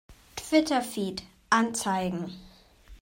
Twitter-Feed anzeigen!